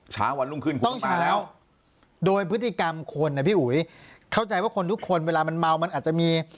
ช้าวันรุ่งคืนคุณต้องมาแล้วต้องช้า